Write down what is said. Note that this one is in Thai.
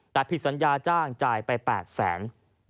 แต่ผิดสัญญาจ้างจ่ายไป๘แสน